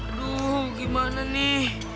aduh gimana nih